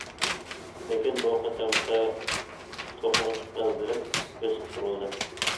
لېكىن بۇ قېتىمقى توقۇنۇش غەلىبىلىك بېسىقتۇرۇلدى.